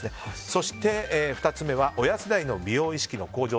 そして、２つ目は親世代の美容意識の向上。